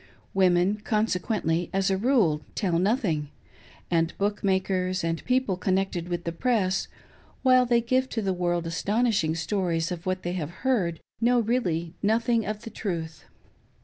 Women, consequently, as a rule, tell nothing ; and book makers and people connected with the press, while they give to the world astonishing stories of what they have heard know really nothing of the truth.